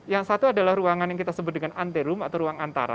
yang satu adalah ruangan yang kita sebut dengan antelum atau ruang antara